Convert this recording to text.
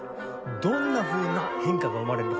どんなふうな変化が生まれるのか。